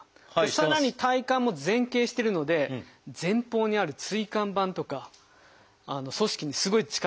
さらに体幹も前傾してるので前方にある椎間板とか組織にすごい力が加わってるんです。